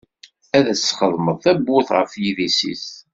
Ad s-txedmeḍ tabburt ɣef yidis-is.